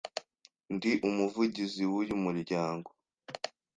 Ndi umuvugizi wuyu muryango.